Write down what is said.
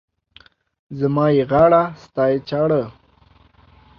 زما يې غاړه، ستا يې چاړه.